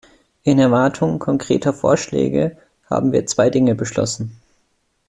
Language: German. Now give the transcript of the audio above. In Erwartung konkreter Vorschläge haben wir zwei Dinge beschlossen.